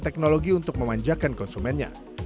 teknologi untuk memanjakan konsumennya